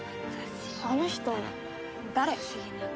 あの人誰？